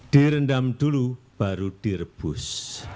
direndam dulu baru direbus